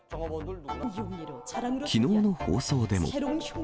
きのうの放送でも。